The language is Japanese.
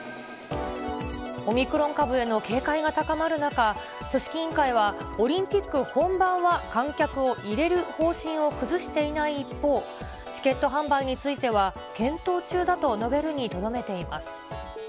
オミクロン株への警戒が高まる中、組織委員会は、オリンピック本番は観客を入れる方針を崩していない一方、チケット販売については、検討中だと述べるにとどめています。